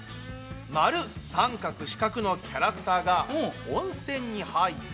丸三角四角のキャラクターが温泉に入って。